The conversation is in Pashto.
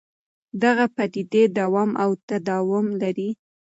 دغه پدیدې دوام او تداوم لري.